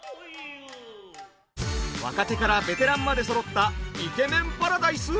若手からベテランまでそろったイケメンパラダイス！？